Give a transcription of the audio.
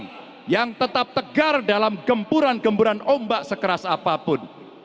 tiri seteguh karang yang tetap tegar dalam gempuran gemburan ombak sekeras apapun